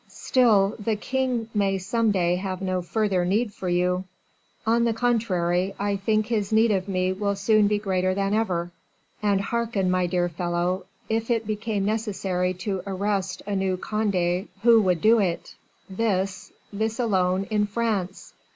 "Still, the king may some day have no further need for you!" "On the contrary, I think his need of me will soon be greater than ever; and hearken, my dear fellow, if it became necessary to arrest a new Conde, who would do it? This this alone in France!"